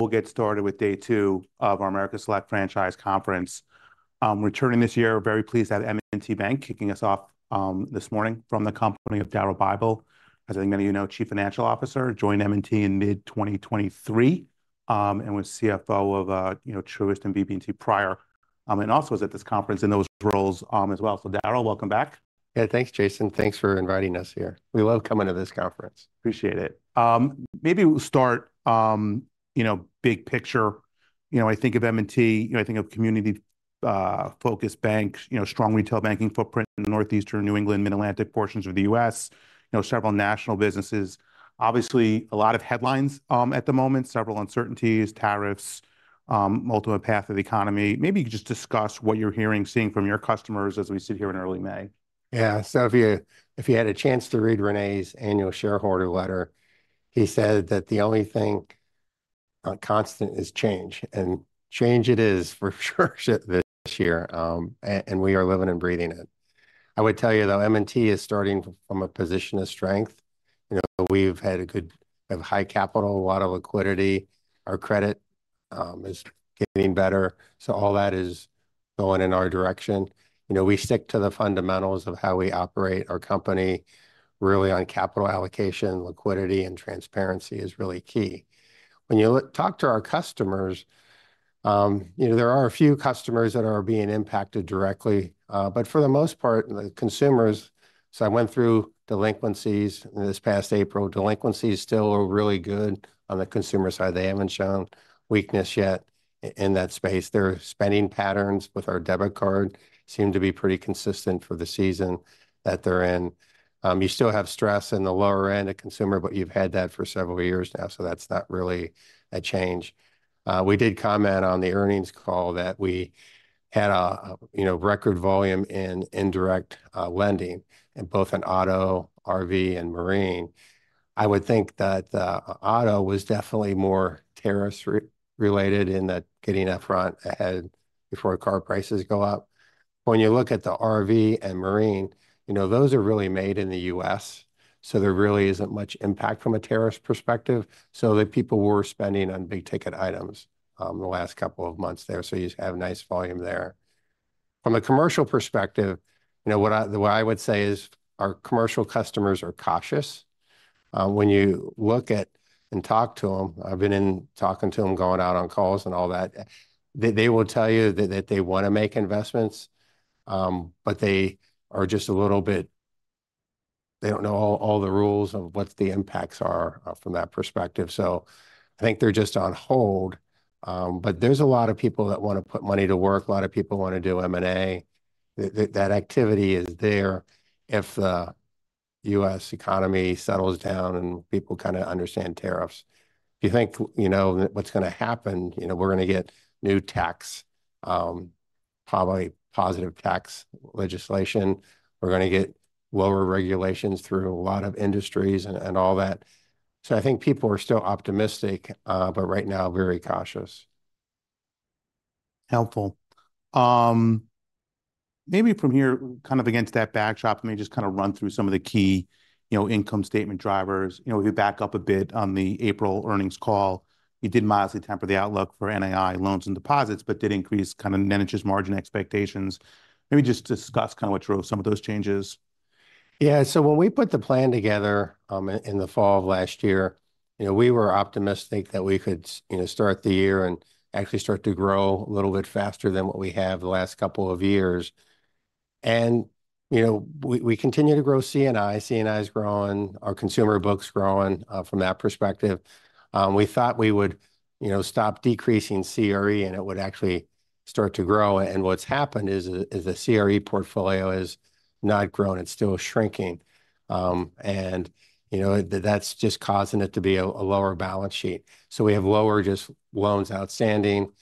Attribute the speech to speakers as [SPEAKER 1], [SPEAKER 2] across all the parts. [SPEAKER 1] We'll get started with day two of our America's Select franchise conference. Returning this year, we're very pleased to have M&T Bank kicking us off this morning from the company of Daryl Bible, as many of you know, Chief Financial Officer, joined M&T in mid-2023, and was CFO of Truist and BB&T prior, and also was at this conference in those roles as well. Daryl, welcome back.
[SPEAKER 2] Yeah, thanks, Jason. Thanks for inviting us here. We love coming to this conference.
[SPEAKER 1] Appreciate it. Maybe we'll start, you know, big picture. You know, I think of M&T, you know, I think of community-focused banks, you know, strong retail banking footprint in northeastern New England, mid-Atlantic portions of the U.S., you know, several national businesses. Obviously, a lot of headlines at the moment, several uncertainties, tariffs, ultimate path of the economy. Maybe you could just discuss what you're hearing, seeing from your customers as we sit here in early May.
[SPEAKER 2] Yeah, so if you had a chance to read René's annual shareholder letter, he said that the only thing constant is change, and change it is for sure this year, and we are living and breathing it. I would tell you, though, M&T is starting from a position of strength. You know, we've had a good, have high capital, a lot of liquidity. Our credit is getting better. So all that is going in our direction. You know, we stick to the fundamentals of how we operate our company. Really, on capital allocation, liquidity, and transparency is really key. When you talk to our customers, you know, there are a few customers that are being impacted directly, but for the most part, the consumers. So I went through delinquencies this past April. Delinquencies still are really good on the consumer side. They haven't shown weakness yet in that space. Their spending patterns with our debit card seem to be pretty consistent for the season that they're in. You still have stress in the lower end of consumer, but you've had that for several years now, so that's not really a change. We did comment on the earnings call that we had a, you know, record volume in indirect lending in both auto, RV, and marine. I would think that the auto was definitely more tariffs related in that getting upfront ahead before car prices go up. When you look at the RV and marine, you know, those are really made in the U.S., so there really isn't much impact from a tariff perspective. The people were spending on big ticket items the last couple of months there, so you have nice volume there. From a commercial perspective, you know, what I would say is our commercial customers are cautious. When you look at and talk to them, I've been in talking to them, going out on calls and all that, they will tell you that they want to make investments, but they are just a little bit, they don't know all the rules of what the impacts are from that perspective. I think they're just on hold, but there's a lot of people that want to put money to work. A lot of people want to do M&A. That activity is there if the U.S. economy settles down and people kind of understand tariffs. If you think, you know, what's going to happen, you know, we're going to get new tax, probably positive tax legislation. We're going to get lower regulations through a lot of industries and all that. I think people are still optimistic, but right now very cautious.
[SPEAKER 1] Helpful. Maybe from here, kind of against that backdrop, let me just kind of run through some of the key, you know, income statement drivers. You know, if you back up a bit on the April earnings call, you did modestly temper the outlook for NAI, loans, and deposits, but did increase kind of net interest margin expectations. Maybe just discuss kind of what drove some of those changes.
[SPEAKER 2] Yeah, so when we put the plan together in the fall of last year, you know, we were optimistic that we could, you know, start the year and actually start to grow a little bit faster than what we have the last couple of years. You know, we continue to grow C&I. C&I is growing. Our consumer book's growing from that perspective. We thought we would, you know, stop decreasing CRE and it would actually start to grow. What's happened is the CRE portfolio has not grown. It's still shrinking. You know, that's just causing it to be a lower balance sheet. So we have lower just loans outstanding.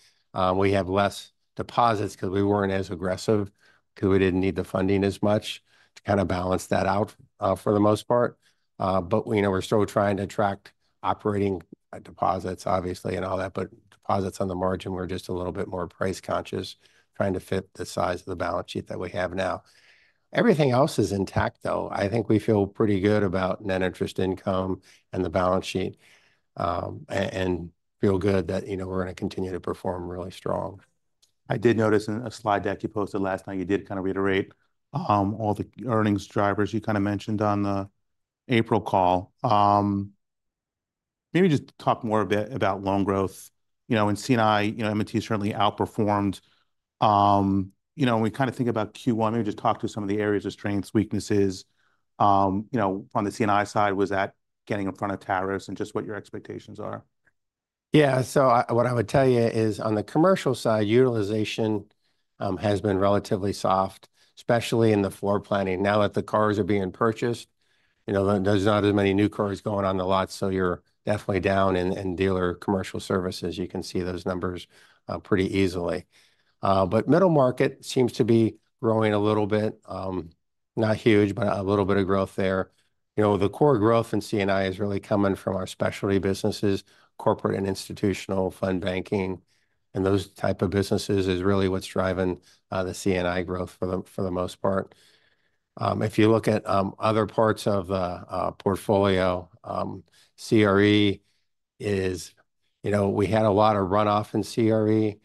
[SPEAKER 2] We have less deposits because we weren't as aggressive because we didn't need the funding as much to kind of balance that out for the most part. You know, we're still trying to attract operating deposits, obviously, and all that, but deposits on the margin, we're just a little bit more price conscious, trying to fit the size of the balance sheet that we have now. Everything else is intact, though. I think we feel pretty good about net interest income and the balance sheet and feel good that, you know, we're going to continue to perform really strong.
[SPEAKER 1] I did notice in a slide deck you posted last night, you did kind of reiterate all the earnings drivers you kind of mentioned on the April call. Maybe just talk more a bit about loan growth. You know, in C&I, you know, M&T certainly outperformed. You know, when we kind of think about Q1, maybe just talk to some of the areas of strengths, weaknesses. You know, on the C&I side, was that getting in front of tariffs and just what your expectations are?
[SPEAKER 2] Yeah, what I would tell you is on the commercial side, utilization has been relatively soft, especially in the floor planning. Now that the cars are being purchased, you know, there's not as many new cars going on the lot, so you're definitely down in dealer commercial services. You can see those numbers pretty easily. Middle market seems to be growing a little bit. Not huge, but a little bit of growth there. You know, the core growth in C&I is really coming from our specialty businesses, corporate and institutional fund banking, and those type of businesses is really what's driving the C&I growth for the most part. If you look at other parts of the portfolio, CRE is, you know, we had a lot of runoff in CRE,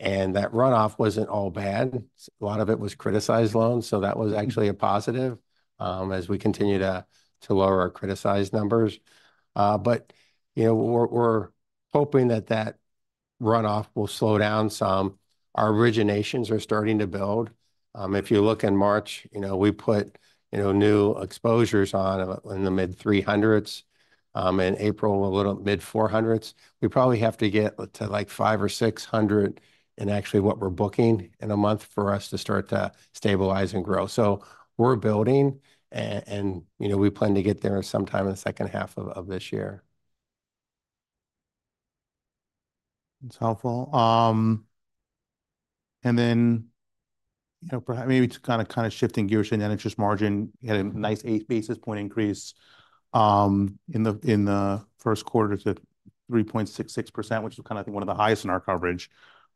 [SPEAKER 2] and that runoff wasn't all bad. A lot of it was criticized loans, so that was actually a positive as we continue to lower our criticized numbers. You know, we're hoping that that runoff will slow down some. Our originations are starting to build. If you look in March, you know, we put, you know, new exposures on in the mid-300s. In April, a little mid-400s. We probably have to get to like 500 or 600 in actually what we're booking in a month for us to start to stabilize and grow. We're building, and, you know, we plan to get there sometime in the second half of this year.
[SPEAKER 1] That's helpful. You know, maybe to kind of shifting gears to net interest margin, you had a nice eight basis point increase in the first quarter to 3.66%, which was kind of, I think, one of the highest in our coverage.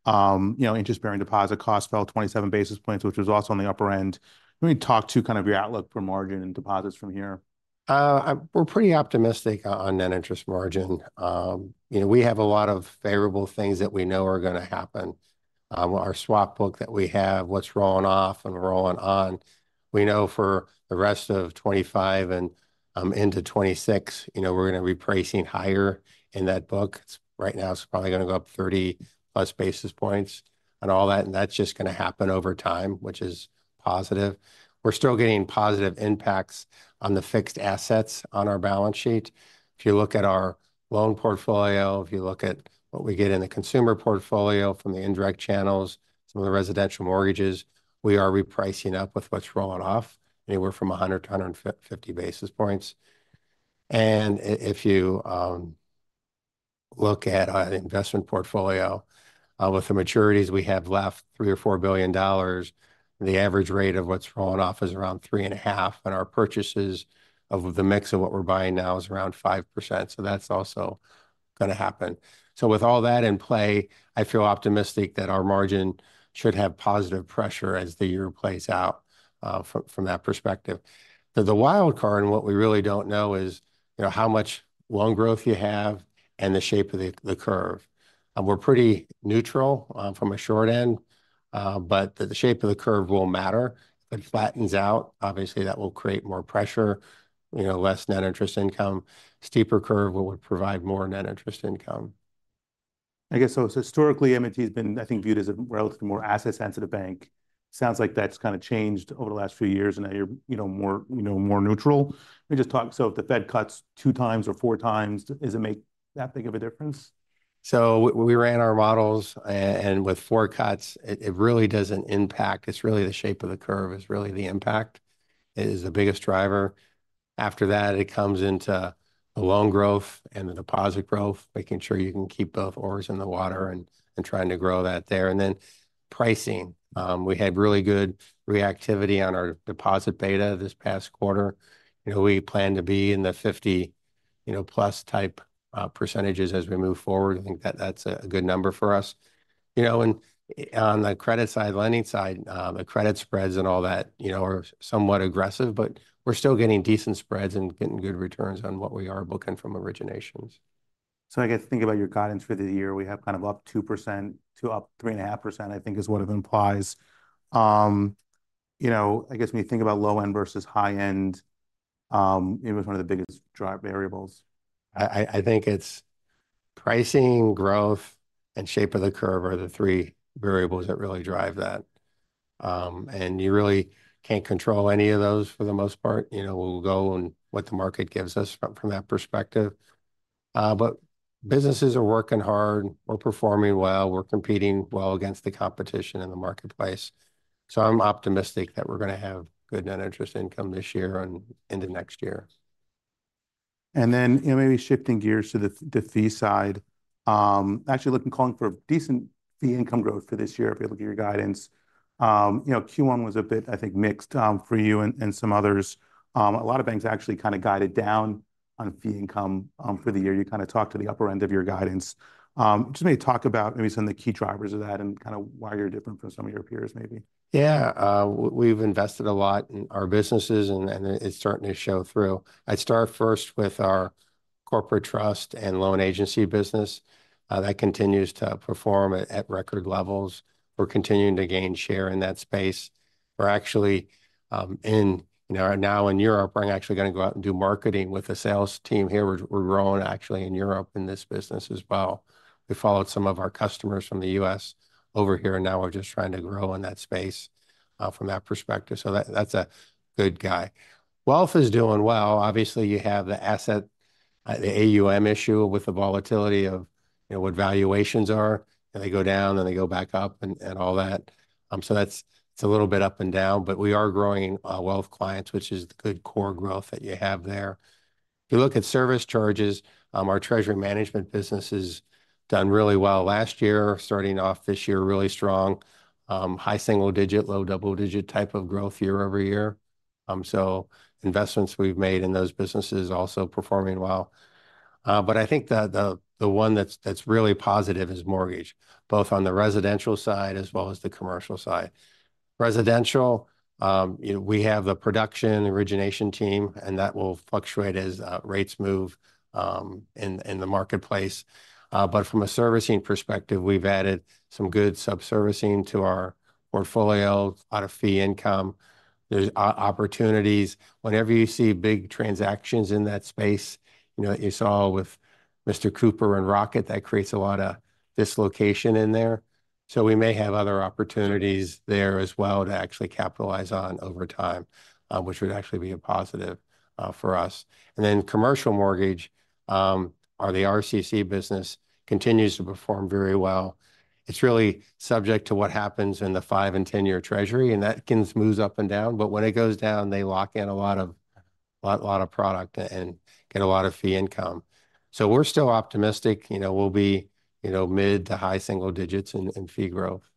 [SPEAKER 1] You know, interest-bearing deposit cost fell 27 basis points, which was also on the upper end. Let me talk to kind of your outlook for margin and deposits from here.
[SPEAKER 2] We're pretty optimistic on net interest margin. You know, we have a lot of favorable things that we know are going to happen. Our swap book that we have, what's rolling off and rolling on, we know for the rest of 2025 and into 2026, you know, we're going to be pricing higher in that book. Right now, it's probably going to go up 30 plus basis points and all that, and that's just going to happen over time, which is positive. We're still getting positive impacts on the fixed assets on our balance sheet. If you look at our loan portfolio, if you look at what we get in the consumer portfolio from the indirect channels, some of the residential mortgages, we are repricing up with what's rolling off, anywhere from 100-150 basis points. If you look at our investment portfolio, with the maturities, we have left $3 billion or $4 billion. The average rate of what's rolling off is around 3.5%, and our purchases of the mix of what we're buying now is around 5%. That is also going to happen. With all that in play, I feel optimistic that our margin should have positive pressure as the year plays out from that perspective. The wild card and what we really do not know is, you know, how much loan growth you have and the shape of the curve. We're pretty neutral from a short end, but the shape of the curve will matter. If it flattens out, obviously that will create more pressure, you know, less net interest income. Steeper curve will provide more net interest income.
[SPEAKER 1] I guess, so historically, M&T has been, I think, viewed as a relatively more asset-sensitive bank. Sounds like that's kind of changed over the last few years and now you're, you know, more neutral. Let me just talk, so if the Fed cuts two times or four times, does it make that big of a difference? We ran our models, and with four cuts, it really does not impact. It is really the shape of the curve that is the impact. It is the biggest driver. After that, it comes into the loan growth and the deposit growth, making sure you can keep both oars in the water and trying to grow that there. Then pricing. We had really good reactivity on our deposit beta this past quarter. You know, we plan to be in the 50% plus type percentages as we move forward. I think that that is a good number for us. You know, and on the credit side, lending side, the credit spreads and all that, you know, are somewhat aggressive, but we are still getting decent spreads and getting good returns on what we are booking from originations. I guess think about your guidance for the year. We have kind of up 2% to up 3.5%, I think is what it implies. You know, I guess when you think about low end versus high end, it was one of the biggest variables.
[SPEAKER 2] I think it's pricing, growth, and shape of the curve are the three variables that really drive that. You really can't control any of those for the most part. You know, we'll go and what the market gives us from that perspective. Businesses are working hard. We're performing well. We're competing well against the competition in the marketplace. I'm optimistic that we're going to have good net interest income this year and into next year.
[SPEAKER 1] You know, maybe shifting gears to the fee side. Actually looking, calling for decent fee income growth for this year if you look at your guidance. You know, Q1 was a bit, I think, mixed for you and some others. A lot of banks actually kind of guided down on fee income for the year. You kind of talked to the upper end of your guidance. Just maybe talk about maybe some of the key drivers of that and kind of why you're different from some of your peers, maybe.
[SPEAKER 2] Yeah, we've invested a lot in our businesses and it's starting to show through. I'd start first with our corporate trust and loan agency business. That continues to perform at record levels. We're continuing to gain share in that space. We're actually in, you know, now in Europe, we're actually going to go out and do marketing with the sales team here. We're growing actually in Europe in this business as well. We followed some of our customers from the U.S. over here and now we're just trying to grow in that space from that perspective. So that's a good guy. Wealth is doing well. Obviously, you have the asset, the AUM issue with the volatility of, you know, what valuations are. They go down and they go back up and all that. That is a little bit up and down, but we are growing wealth clients, which is the good core growth that you have there. If you look at service charges, our treasury management business has done really well last year, starting off this year really strong. High single digit, low double digit type of growth year over year. Investments we have made in those businesses also performing well. I think the one that is really positive is mortgage, both on the residential side as well as the commercial side. Residential, you know, we have the production origination team and that will fluctuate as rates move in the marketplace. From a servicing perspective, we have added some good sub-servicing to our portfolio. A lot of fee income. There are opportunities. Whenever you see big transactions in that space, you know, you saw with Mr. Cooper and Rocket, that creates a lot of dislocation in there. We may have other opportunities there as well to actually capitalize on over time, which would actually be a positive for us. Commercial mortgage, our RCC business continues to perform very well. It's really subject to what happens in the five and ten year treasury, and that moves up and down, but when it goes down, they lock in a lot of product and get a lot of fee income. We're still optimistic, you know, we'll be, you know, mid to high single digits in fee growth.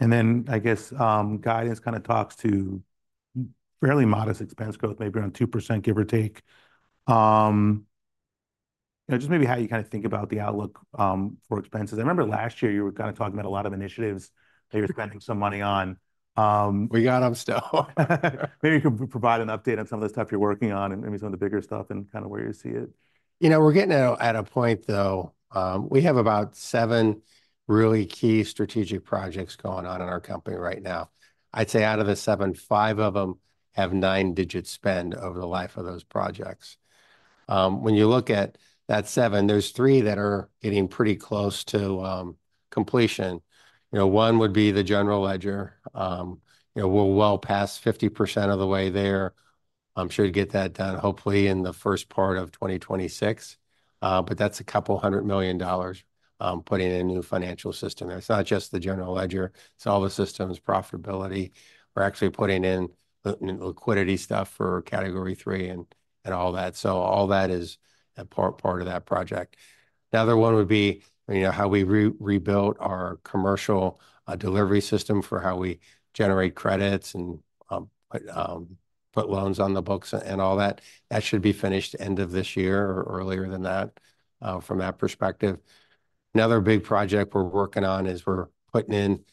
[SPEAKER 1] I guess guidance kind of talks to fairly modest expense growth, maybe around 2%, give or take. You know, just maybe how you kind of think about the outlook for expenses. I remember last year you were kind of talking about a lot of initiatives that you're spending some money on.
[SPEAKER 2] We got them still.
[SPEAKER 1] Maybe you can provide an update on some of the stuff you're working on and maybe some of the bigger stuff and kind of where you see it.
[SPEAKER 2] You know, we're getting at a point though, we have about seven really key strategic projects going on in our company right now. I'd say out of the seven, five of them have nine digit spend over the life of those projects. When you look at that seven, there's three that are getting pretty close to completion. You know, one would be the general ledger. You know, we're well past 50% of the way there. I'm sure to get that done hopefully in the first part of 2026. That's a couple $100 million dollars putting in a new financial system there. It's not just the general ledger. It's all the systems, profitability. We're actually putting in liquidity stuff for category three and all that. All that is part of that project. The other one would be, you know, how we rebuilt our commercial delivery system for how we generate credits and put loans on the books and all that. That should be finished end of this year or earlier than that from that perspective. Another big project we're working on is we're putting in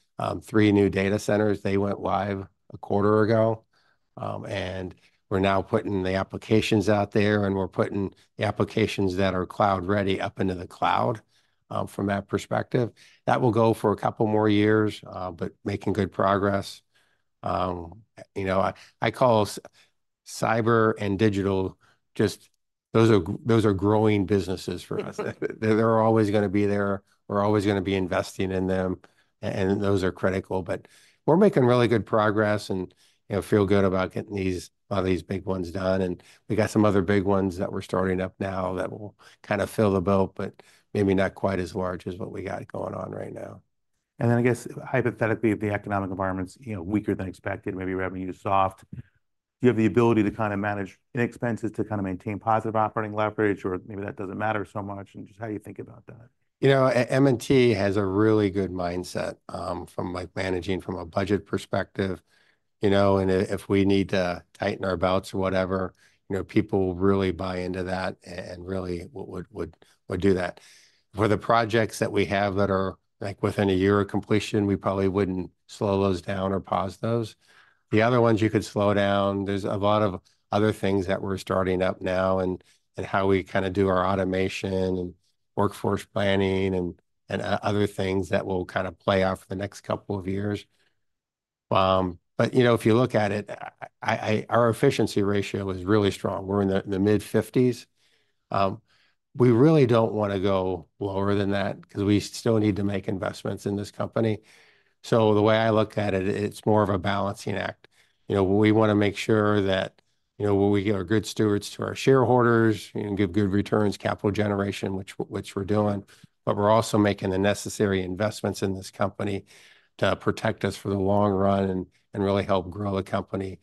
[SPEAKER 2] three new data centers. They went live a quarter ago. We're now putting the applications out there and we're putting the applications that are cloud ready up into the cloud from that perspective. That will go for a couple more years, but making good progress. You know, I call cyber and digital, just those are growing businesses for us. They're always going to be there. We're always going to be investing in them. Those are critical. We're making really good progress and, you know, feel good about getting these big ones done. We got some other big ones that we're starting up now that will kind of fill the boat, but maybe not quite as large as what we got going on right now.
[SPEAKER 1] I guess hypothetically, the economic environment's, you know, weaker than expected, maybe revenue is soft. Do you have the ability to kind of manage in expenses to kind of maintain positive operating leverage or maybe that doesn't matter so much and just how do you think about that?
[SPEAKER 2] You know, M&T has a really good mindset from like managing from a budget perspective. You know, and if we need to tighten our belts or whatever, you know, people will really buy into that and really would do that. For the projects that we have that are like within a year of completion, we probably would not slow those down or pause those. The other ones you could slow down. There is a lot of other things that we are starting up now and how we kind of do our automation and workforce planning and other things that will kind of play off the next couple of years. But, you know, if you look at it, our efficiency ratio is really strong. We are in the mid-50s. We really do not want to go lower than that because we still need to make investments in this company. The way I look at it, it's more of a balancing act. You know, we want to make sure that, you know, we get our good stewards to our shareholders and give good returns, capital generation, which we're doing. But we're also making the necessary investments in this company to protect us for the long run and really help grow the company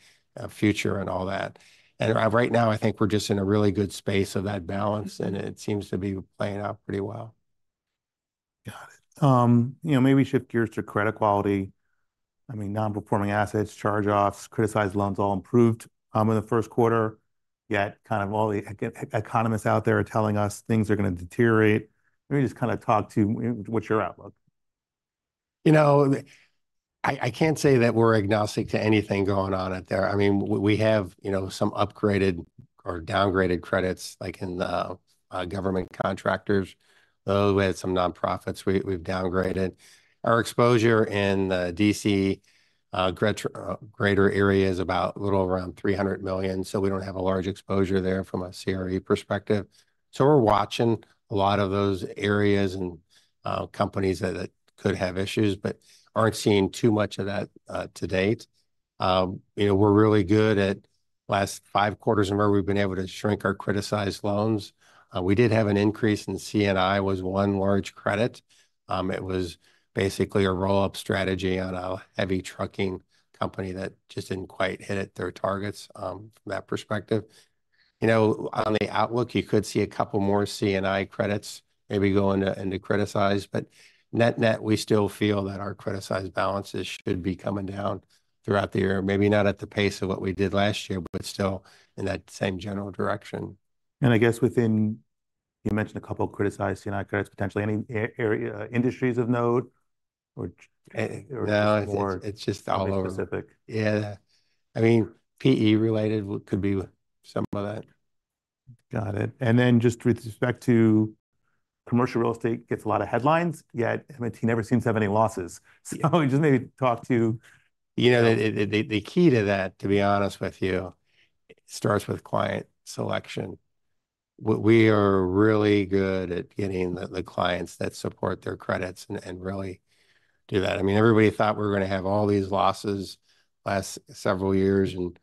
[SPEAKER 2] future and all that. Right now, I think we're just in a really good space of that balance and it seems to be playing out pretty well.
[SPEAKER 1] Got it. You know, maybe shift gears to credit quality. I mean, non-performing assets, charge-offs, criticized loans all improved in the first quarter, yet kind of all the economists out there are telling us things are going to deteriorate. Maybe just kind of talk to what's your outlook?
[SPEAKER 2] You know, I can't say that we're agnostic to anything going on out there. I mean, we have, you know, some upgraded or downgraded credits like in the government contractors. We had some nonprofits we've downgraded. Our exposure in the D.C. greater area is about a little around $300 million. We don't have a large exposure there from a CRE perspective. We're watching a lot of those areas and companies that could have issues, but aren't seeing too much of that to date. You know, we're really good at last five quarters of where we've been able to shrink our criticized loans. We did have an increase in C&I, was one large credit. It was basically a roll-up strategy on a heavy trucking company that just didn't quite hit their targets from that perspective. You know, on the outlook, you could see a couple more C&I credits maybe going into criticized, but net net, we still feel that our criticized balances should be coming down throughout the year. Maybe not at the pace of what we did last year, but still in that same general direction.
[SPEAKER 1] I guess within, you mentioned a couple criticized C&I credits potentially. Any areas, industries of note or?
[SPEAKER 2] No, it's just all over.
[SPEAKER 1] Specific?
[SPEAKER 2] Yeah. I mean, PE related could be some of that.
[SPEAKER 1] Got it. Just with respect to commercial real estate, gets a lot of headlines, yet M&T never seems to have any losses. So just maybe talk to.
[SPEAKER 2] You know, the key to that, to be honest with you, starts with client selection. We are really good at getting the clients that support their credits and really do that. I mean, everybody thought we were going to have all these losses last several years and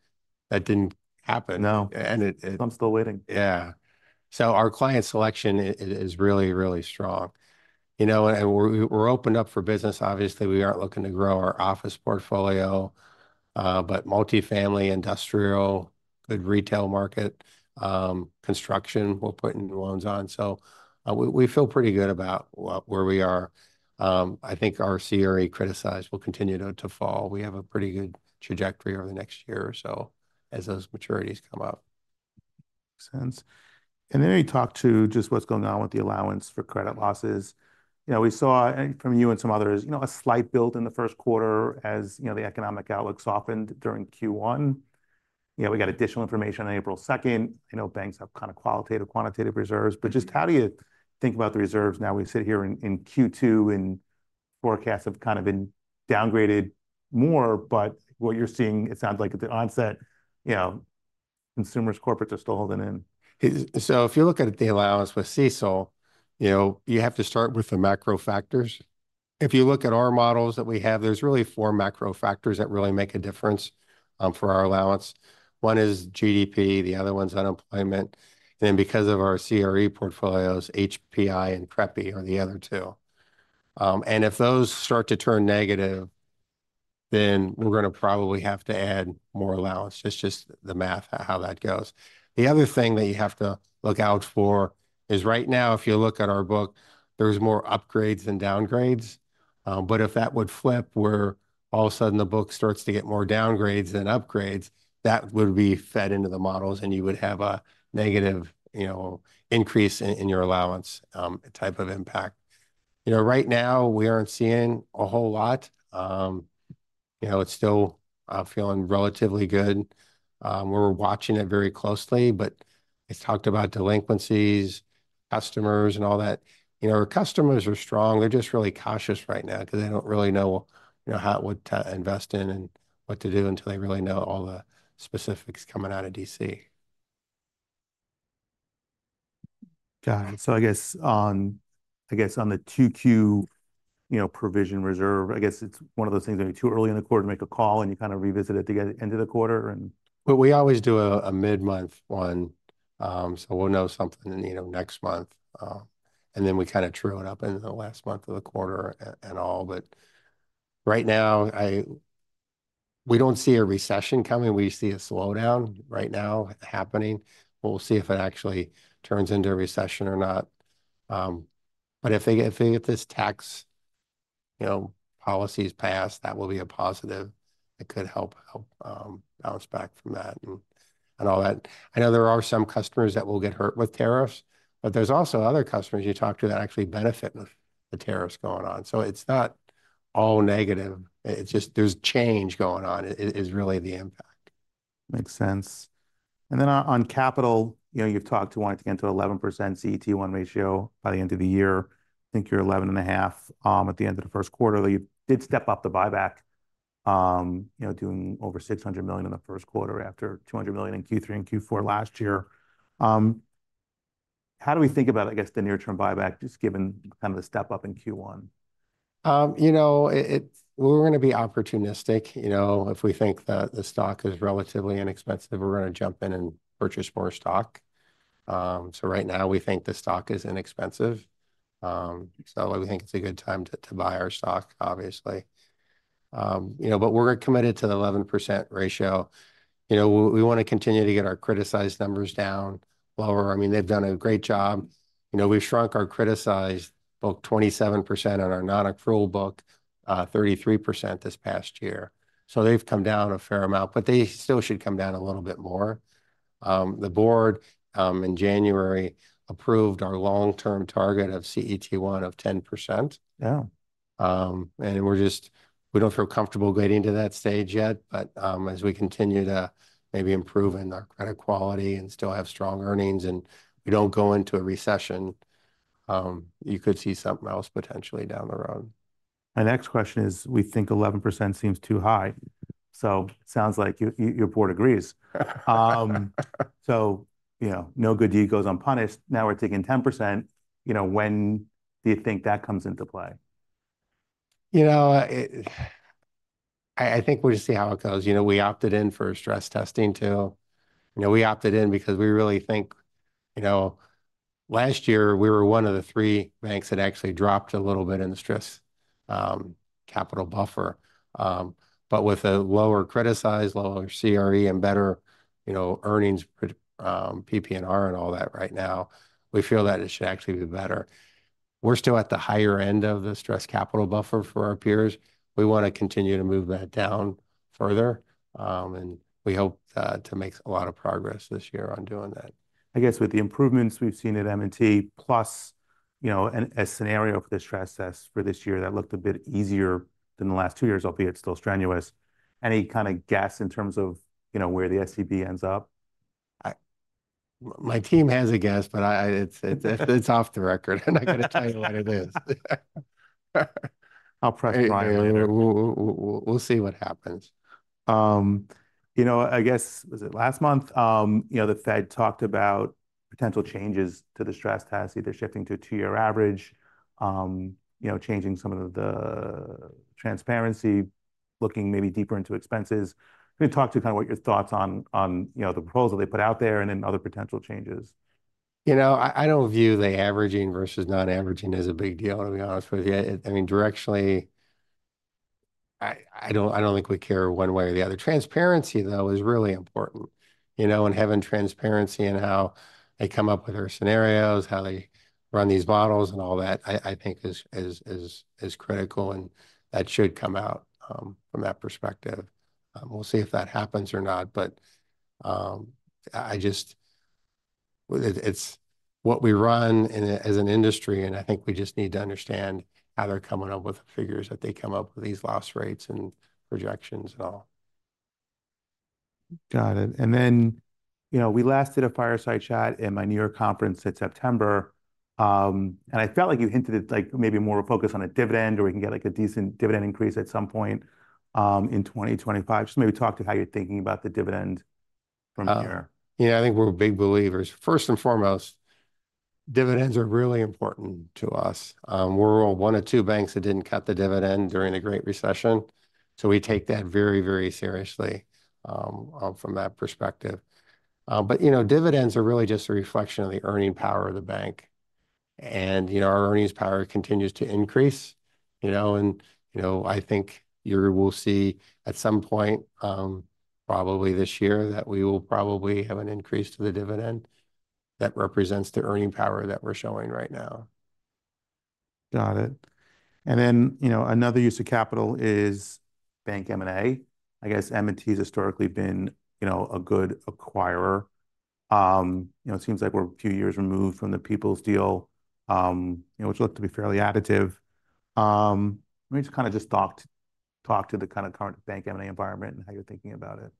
[SPEAKER 2] that did not happen. No.
[SPEAKER 1] And. I'm still waiting.
[SPEAKER 2] Yeah. Our client selection is really, really strong. You know, and we're opened up for business. Obviously, we aren't looking to grow our office portfolio, but multifamily, industrial, good retail market, construction, we're putting loans on. So we feel pretty good about where we are. I think our CRE criticized will continue to fall. We have a pretty good trajectory over the next year or so as those maturities come up.
[SPEAKER 1] Makes sense. Maybe talk to just what's going on with the allowance for credit losses. You know, we saw from you and some others, you know, a slight build in the first quarter as, you know, the economic outlook softened during Q1. You know, we got additional information on April 2nd. I know banks have kind of qualitative, quantitative reserves, but just how do you think about the reserves now? We sit here in Q2 and forecasts have kind of been downgraded more, but what you're seeing, it sounds like at the onset, you know, consumers, corporates are still holding in.
[SPEAKER 2] If you look at the allowance with CECL, you know, you have to start with the macro factors. If you look at our models that we have, there's really four macro factors that really make a difference for our allowance. One is GDP, the other one's unemployment. And then because of our CRE portfolios, HPI and CREPI are the other two. If those start to turn negative, then we're going to probably have to add more allowance. It's just the math, how that goes. The other thing that you have to look out for is right now, if you look at our book, there's more upgrades than downgrades. If that would flip where all of a sudden the book starts to get more downgrades than upgrades, that would be fed into the models and you would have a negative, you know, increase in your allowance type of impact. You know, right now we aren't seeing a whole lot. You know, it's still feeling relatively good. We're watching it very closely, but it's talked about delinquencies, customers and all that. You know, our customers are strong. They're just really cautious right now because they don't really know, you know, what to invest in and what to do until they really know all the specifics coming out of D.C.
[SPEAKER 1] Got it. I guess on the Q2, you know, provision reserve, I guess it's one of those things maybe too early in the quarter to make a call and you kind of revisit it to get into the quarter.
[SPEAKER 2] We always do a mid-month one. We'll know something, you know, next month. We kind of true it up in the last month of the quarter and all. Right now, we do not see a recession coming. We see a slowdown right now happening. We'll see if it actually turns into a recession or not. If they get this tax, you know, policies passed, that will be a positive. It could help bounce back from that and all that. I know there are some customers that will get hurt with tariffs, but there are also other customers you talk to that actually benefit with the tariffs going on. It is not all negative. There is just change going on, which is really the impact.
[SPEAKER 1] Makes sense. And then on capital, you know, you've talked to wanting to get to 11% CET1 ratio by the end of the year. I think you're 11.5% at the end of the first quarter. You did step up the buyback, you know, doing over $600 million in the first quarter after $200 million in Q3 and Q4 last year. How do we think about, I guess, the near-term buyback just given kind of the step up in Q1?
[SPEAKER 2] You know, we're going to be opportunistic. You know, if we think that the stock is relatively inexpensive, we're going to jump in and purchase more stock. Right now we think the stock is inexpensive. We think it's a good time to buy our stock, obviously. You know, but we're committed to the 11% ratio. You know, we want to continue to get our criticized numbers down lower. I mean, they've done a great job. You know, we've shrunk our criticized book 27% and our non-accrual book 33% this past year. They've come down a fair amount, but they still should come down a little bit more. The board in January approved our long-term target of CET1 of 10%.
[SPEAKER 1] Yeah.
[SPEAKER 2] We do not feel comfortable getting to that stage yet, but as we continue to maybe improve in our credit quality and still have strong earnings and we do not go into a recession, you could see something else potentially down the road.
[SPEAKER 1] My next question is, we think 11% seems too high. It sounds like your board agrees. You know, no good deed goes unpunished. Now we're taking 10%. You know, when do you think that comes into play?
[SPEAKER 2] You know, I think we'll just see how it goes. You know, we opted in for stress testing too. You know, we opted in because we really think, you know, last year we were one of the three banks that actually dropped a little bit in the stress capital buffer. With a lower criticized, lower CRE and better, you know, earnings, PP&R and all that right now, we feel that it should actually be better. We're still at the higher end of the stress capital buffer for our peers. We want to continue to move that down further. We hope to make a lot of progress this year on doing that.
[SPEAKER 1] I guess with the improvements we've seen at M&T, plus, you know, a scenario for the stress test for this year that looked a bit easier than the last two years, albeit still strenuous. Any kind of guess in terms of, you know, where the SEB ends up?
[SPEAKER 2] My team has a guess, but it's off the record and I got to tell you what it is.
[SPEAKER 1] I'll press Brian later. We'll see what happens. You know, I guess was it last month, you know, the Fed talked about potential changes to the stress test, either shifting to a two-year average, you know, changing some of the transparency, looking maybe deeper into expenses. Can you talk to kind of what your thoughts on, you know, the proposal they put out there and then other potential changes?
[SPEAKER 2] You know, I don't view the averaging versus non-averaging as a big deal, to be honest with you. I mean, directionally, I don't think we care one way or the other. Transparency, though, is really important. You know, and having transparency in how they come up with our scenarios, how they run these models and all that, I think is critical and that should come out from that perspective. We'll see if that happens or not, but I just, it's what we run as an industry and I think we just need to understand how they're coming up with the figures that they come up with these loss rates and projections and all.
[SPEAKER 1] Got it. You know, we last did a fireside chat in my New York conference in September. I felt like you hinted at like maybe more focus on a dividend or we can get like a decent dividend increase at some point in 2025. Just maybe talk to how you're thinking about the dividend from here.
[SPEAKER 2] You know, I think we're big believers. First and foremost, dividends are really important to us. We're one of two banks that didn't cut the dividend during the Great Recession. We take that very, very seriously from that perspective. You know, dividends are really just a reflection of the earning power of the bank. You know, our earnings power continues to increase. You know, I think you will see at some point, probably this year, that we will probably have an increase to the dividend that represents the earning power that we're showing right now.
[SPEAKER 1] Got it. You know, another use of capital is Bank M&A. I guess M&T has historically been, you know, a good acquirer. You know, it seems like we're a few years removed from the People's Deal, you know, which looked to be fairly additive. Let me just kind of talk to the kind of current Bank M&A environment and how you're thinking about it.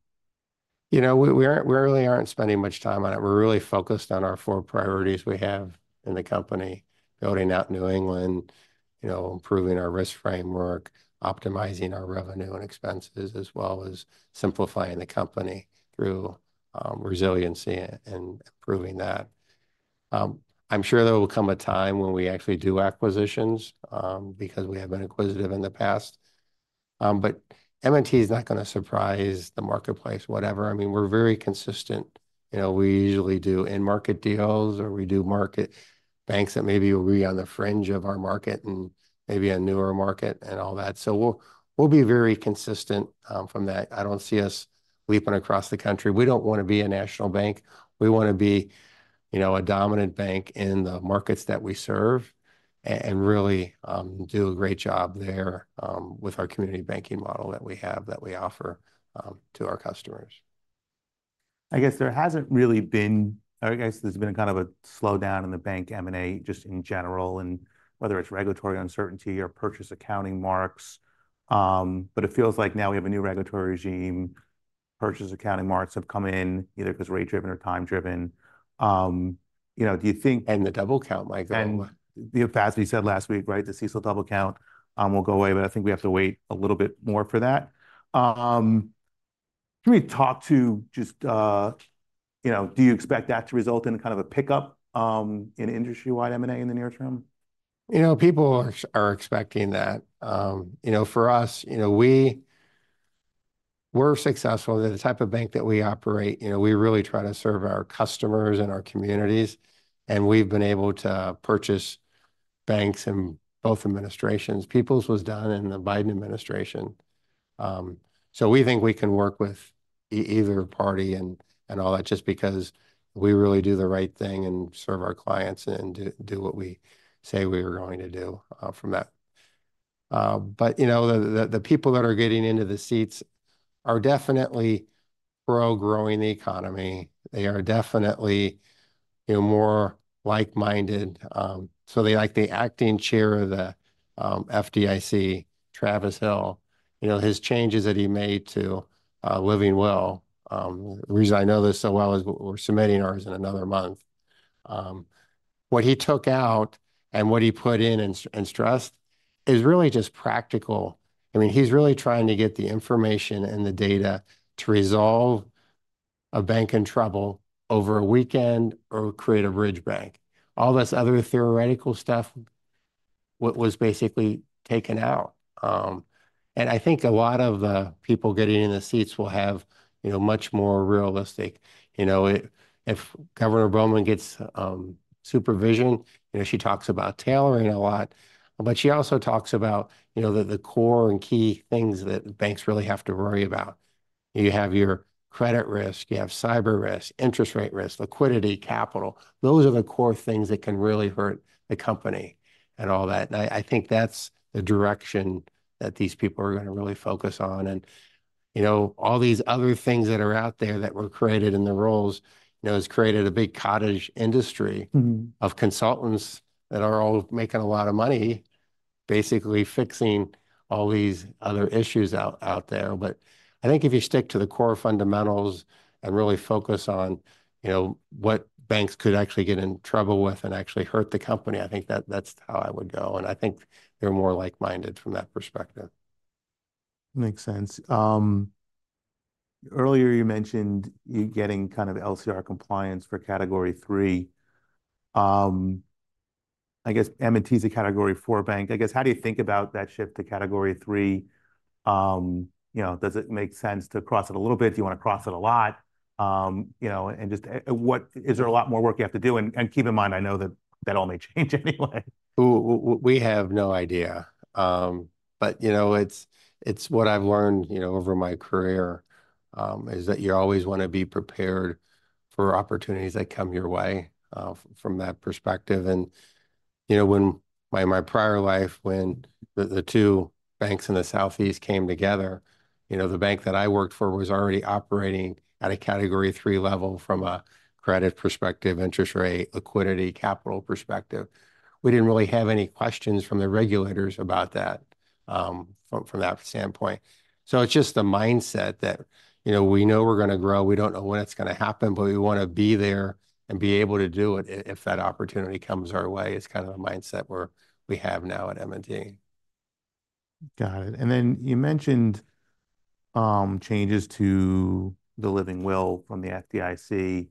[SPEAKER 2] You know, we really aren't spending much time on it. We're really focused on our four priorities we have in the company, building out New England, you know, improving our risk framework, optimizing our revenue and expenses, as well as simplifying the company through resiliency and improving that. I'm sure there will come a time when we actually do acquisitions because we have been inquisitive in the past. M&T is not going to surprise the marketplace, whatever. I mean, we're very consistent. You know, we usually do in-market deals or we do market banks that maybe will be on the fringe of our market and maybe a newer market and all that. We will be very consistent from that. I don't see us leaping across the country. We don't want to be a national bank. We want to be, you know, a dominant bank in the markets that we serve and really do a great job there with our community banking model that we have that we offer to our customers.
[SPEAKER 1] I guess there hasn't really been, I guess there's been kind of a slowdown in the bank M&A just in general and whether it's regulatory uncertainty or purchase accounting marks. It feels like now we have a new regulatory regime. Purchase accounting marks have come in either because rate-driven or time-driven. You know, do you think.
[SPEAKER 2] The double count, Michael.
[SPEAKER 1] The FASB said last week, right, the CECL double count will go away, but I think we have to wait a little bit more for that. Can we talk to just, you know, do you expect that to result in kind of a pickup in industry-wide M&A in the near term?
[SPEAKER 2] You know, people are expecting that. You know, for us, you know, we're successful. The type of bank that we operate, you know, we really try to serve our customers and our communities. And we've been able to purchase banks in both administrations. People's was done in the Biden administration. We think we can work with either party and all that just because we really do the right thing and serve our clients and do what we say we are going to do from that. You know, the people that are getting into the seats are definitely pro-growing the economy. They are definitely, you know, more like-minded. They like the Acting Chair of the FDIC, Travis Hill, you know, his changes that he made to LivingWell. The reason I know this so well is we're submitting ours in another month. What he took out and what he put in and stressed is really just practical. I mean, he's really trying to get the information and the data to resolve a bank in trouble over a weekend or create a bridge bank. All this other theoretical stuff was basically taken out. I think a lot of the people getting in the seats will have, you know, much more realistic. You know, if Governor Bowman gets supervision, you know, she talks about tailoring a lot. She also talks about, you know, the core and key things that banks really have to worry about. You have your credit risk, you have cyber risk, interest rate risk, liquidity, capital. Those are the core things that can really hurt the company and all that. I think that's the direction that these people are going to really focus on. You know, all these other things that are out there that were created in the roles, you know, has created a big cottage industry of consultants that are all making a lot of money, basically fixing all these other issues out there. I think if you stick to the core fundamentals and really focus on, you know, what banks could actually get in trouble with and actually hurt the company, I think that that's how I would go. I think they're more like-minded from that perspective.
[SPEAKER 1] Makes sense. Earlier you mentioned you getting kind of LCR compliance for category three. I guess M&T is a category four bank. I guess how do you think about that shift to category three? You know, does it make sense to cross it a little bit? Do you want to cross it a lot? You know, and just what, is there a lot more work you have to do? Keep in mind, I know that that all may change anyway. We have no idea. You know, what I've learned, you know, over my career is that you always want to be prepared for opportunities that come your way from that perspective. You know, in my prior life, when the two banks in the Southeast came together, the bank that I worked for was already operating at a category three level from a credit perspective, interest rate, liquidity, capital perspective. We did not really have any questions from the regulators about that from that standpoint. It is just the mindset that, you know, we know we are going to grow. We do not know when it is going to happen, but we want to be there and be able to do it if that opportunity comes our way. It is kind of a mindset we have now at M&T. Got it. You mentioned changes to the LivingWell from the FDIC.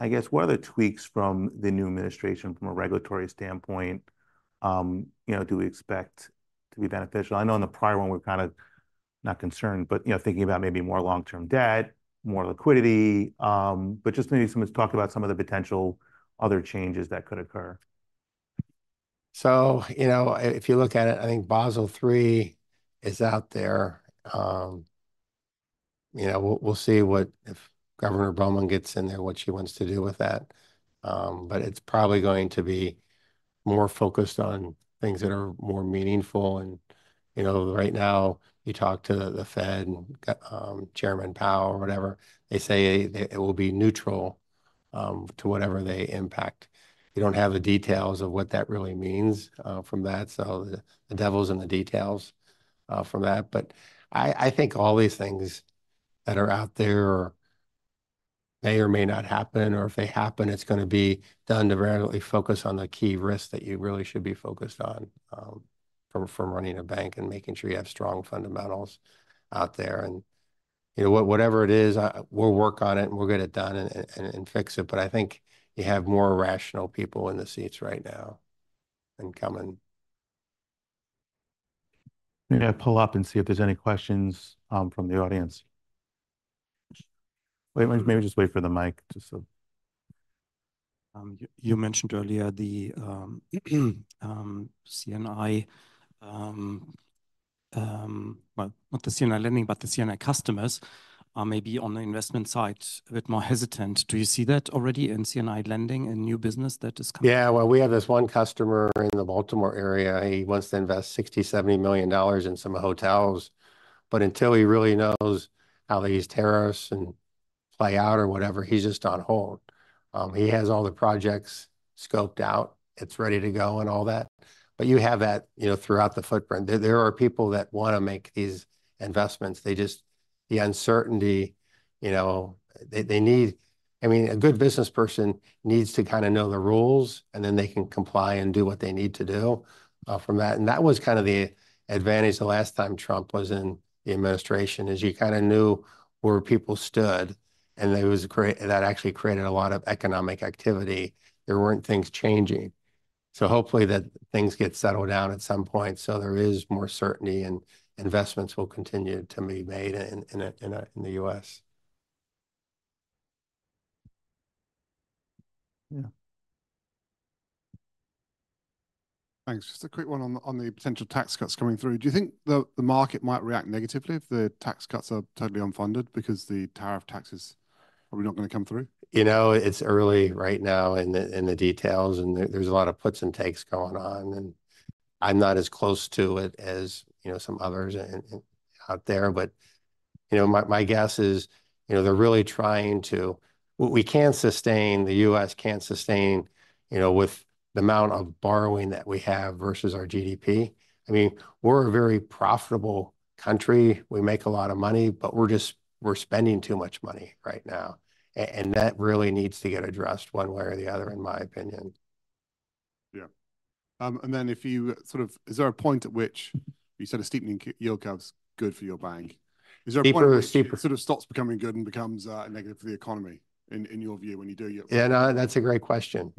[SPEAKER 1] I guess what are the tweaks from the new administration from a regulatory standpoint? You know, do we expect to be beneficial? I know in the prior one we were kind of not concerned, but, you know, thinking about maybe more long-term debt, more liquidity. Just maybe someone's talked about some of the potential other changes that could occur.
[SPEAKER 2] You know, if you look at it, I think Basel III is out there. You know, we'll see what, if Governor Bowman gets in there, what she wants to do with that. It is probably going to be more focused on things that are more meaningful. You know, right now you talk to the Fed and Chairman Powell or whatever, they say it will be neutral to whatever they impact. You do not have the details of what that really means from that. The devil is in the details from that. I think all these things that are out there may or may not happen, or if they happen, it is going to be done to really focus on the key risks that you really should be focused on from running a bank and making sure you have strong fundamentals out there. You know, whatever it is, we'll work on it and we'll get it done and fix it. I think you have more rational people in the seats right now than coming.
[SPEAKER 1] I'm going to pull up and see if there's any questions from the audience. Wait, maybe just wait for the mic just so. You mentioned earlier the C&I, not the C&I lending, but the C&I customers may be on the investment side a bit more hesitant. Do you see that already in C&I lending and new business that is coming?
[SPEAKER 2] Yeah, we have this one customer in the Baltimore area. He wants to invest $60 million-$70 million in some hotels. Until he really knows how these tariffs play out or whatever, he's just on hold. He has all the projects scoped out. It's ready to go and all that. You have that, you know, throughout the footprint. There are people that want to make these investments. They just, the uncertainty, you know, they need, I mean, a good business person needs to kind of know the rules and then they can comply and do what they need to do from that. That was kind of the advantage the last time Trump was in the administration. You kind of knew where people stood and that actually created a lot of economic activity. There were not things changing. Hopefully that things get settled down at some point so there is more certainty and investments will continue to be made in the U.S.
[SPEAKER 1] Yeah. Thanks. Just a quick one on the potential tax cuts coming through. Do you think the market might react negatively if the tax cuts are totally unfunded because the tariff tax is probably not going to come through?
[SPEAKER 2] You know, it's early right now in the details and there's a lot of puts and takes going on. I'm not as close to it as, you know, some others out there. You know, my guess is, you know, they're really trying to, we can't sustain, the U.S. can't sustain, you know, with the amount of borrowing that we have versus our GDP. I mean, we're a very profitable country. We make a lot of money, but we're just, we're spending too much money right now. That really needs to get addressed one way or the other, in my opinion. Yeah. And then if you sort of, is there a point at which you said a steepening yield curve is good for your bank? Is there a point where it sort of stops becoming good and becomes negative for the economy in your view when you do yield curve? Yeah, no, that's a great question.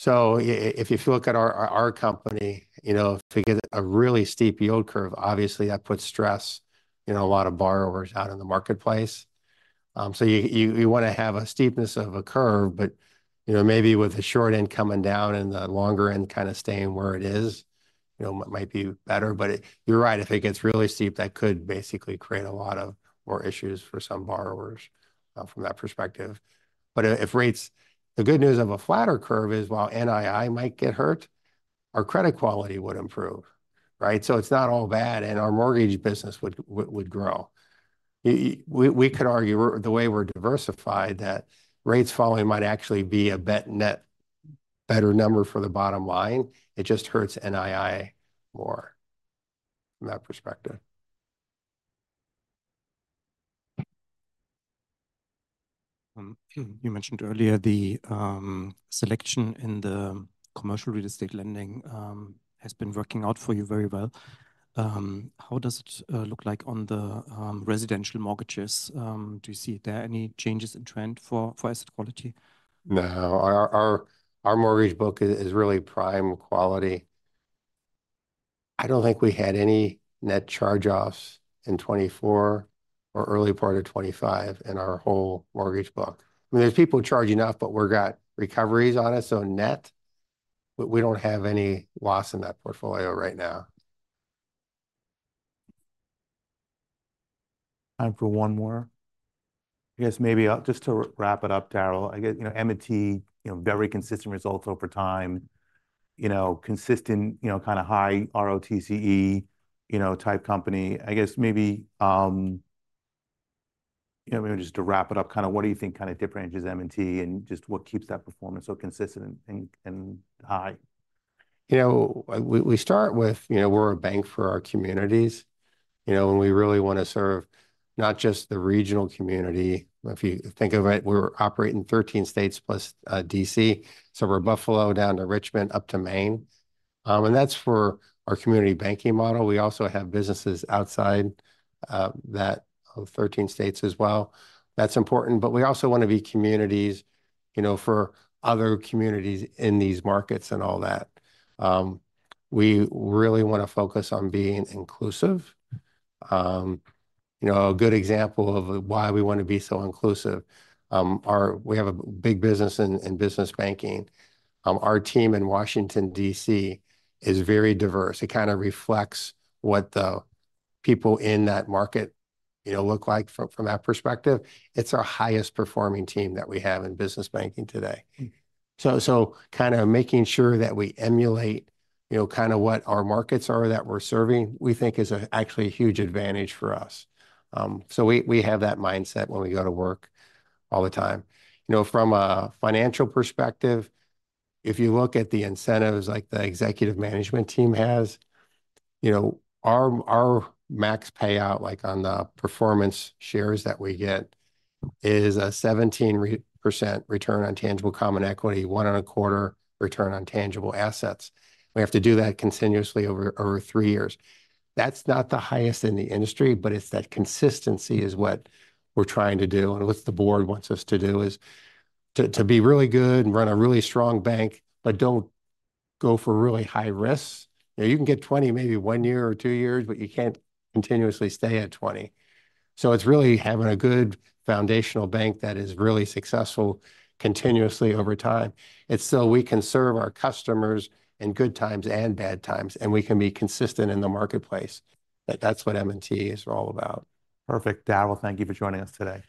[SPEAKER 2] If you look at our company, you know, if we get a really steep yield curve, obviously that puts stress, you know, a lot of borrowers out in the marketplace. You want to have a steepness of a curve, but, you know, maybe with the short end coming down and the longer end kind of staying where it is, you know, might be better. You're right, if it gets really steep, that could basically create a lot more issues for some borrowers from that perspective. If rates, the good news of a flatter curve is while NII might get hurt, our credit quality would improve, right? It's not all bad and our mortgage business would grow. We could argue the way we're diversified that rates falling might actually be a better number for the bottom line. It just hurts NII more from that perspective. You mentioned earlier the selection in the commercial real estate lending has been working out for you very well. How does it look like on the residential mortgages? Do you see there any changes in trend for asset quality? No, our mortgage book is really prime quality. I don't think we had any net charge-offs in 2024 or early part of 2025 in our whole mortgage book. I mean, there's people charging up, but we've got recoveries on it. So net, we don't have any loss in that portfolio right now.
[SPEAKER 1] Time for one more. I guess maybe just to wrap it up, Daryl, I guess, you know, M&T, you know, very consistent results over time, you know, consistent, you know, kind of high ROTCE, you know, type company. I guess maybe, you know, maybe just to wrap it up, kind of what do you think kind of differentiates M&T and just what keeps that performance so consistent and high?
[SPEAKER 2] You know, we start with, you know, we're a bank for our communities. You know, and we really want to serve not just the regional community. If you think of it, we're operating 13 states plus D.C. We're Buffalo down to Richmond up to Maine. And that's for our community banking model. We also have businesses outside that 13 states as well. That's important. We also want to be communities, you know, for other communities in these markets and all that. We really want to focus on being inclusive. You know, a good example of why we want to be so inclusive, we have a big business in business banking. Our team in Washington, D.C. is very diverse. It kind of reflects what the people in that market, you know, look like from that perspective. It's our highest performing team that we have in business banking today. Kind of making sure that we emulate, you know, kind of what our markets are that we're serving, we think is actually a huge advantage for us. We have that mindset when we go to work all the time. You know, from a financial perspective, if you look at the incentives like the executive management team has, you know, our max payout, like on the performance shares that we get, is a 17% return on tangible common equity, 1.25% return on tangible assets. We have to do that continuously over three years. That's not the highest in the industry, but it's that consistency is what we're trying to do. What the board wants us to do is to be really good and run a really strong bank, but don't go for really high risks. You can get 20 maybe one year or two years, but you can't continuously stay at 20. It is really having a good foundational bank that is really successful continuously over time. It is so we can serve our customers in good times and bad times, and we can be consistent in the marketplace. That's what M&T is all about.
[SPEAKER 1] Perfect, Daryl. Thank you for joining us today.